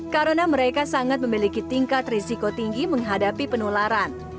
karena mereka sangat memiliki tingkat risiko tinggi menghadapi penularan